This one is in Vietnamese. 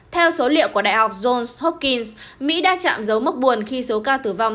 theo số liệu của đại học johns hopkins mỹ đã chạm dấu mất buồn khi số ca tử vong